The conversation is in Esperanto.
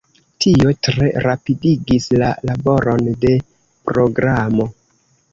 Tio tre rapidigis la laboron de programo.